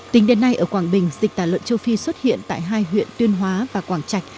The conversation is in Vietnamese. tính đến nay ở quảng bình dịch tà lợn châu phi xuất hiện tại hai huyện tuyên hóa và quảng trạch